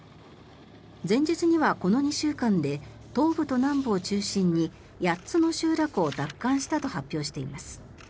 前日にはこの２週間で東部と南部を中心に８つの集落を奪還したと発表しています。